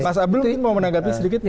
mas abdul mungkin mau menanggapi sedikit